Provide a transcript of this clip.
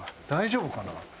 大丈夫かな？